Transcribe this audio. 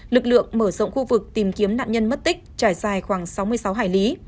lực lượng mở rộng khu vực tìm kiếm nạn nhân mất tích trải dài khoảng sáu mươi sáu hải lý